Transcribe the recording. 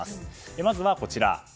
まずはこちら。